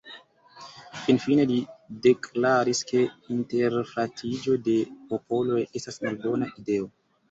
Finfine li deklaris, ke interfratiĝo de popoloj estas malbona ideo.